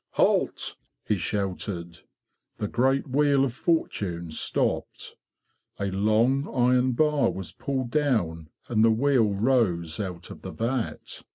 "Halt!'' he shouted. The great wheel of fortune stopped. A long iron bar was pulled down and the wheel rose out of the vat.